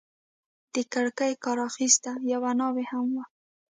د کړکۍ کار اخیسته، یوه ناوې هم وه.